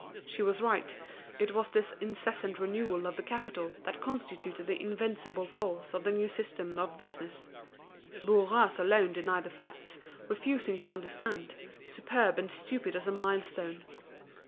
She was right, it was this incessant renewal of the capital that constituted the invincible force of the new system of business, Bourras alone denied the facts, refusing to understand, superb and stupid as a mile stone.